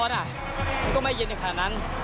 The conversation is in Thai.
มันก็ไม่เย็นอย่างขนาดนั้น